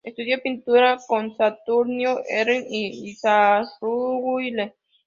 Estudió pintura con Saturnino Herrán y L. Izaguirre.